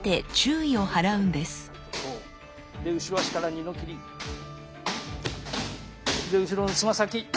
で後ろのつま先。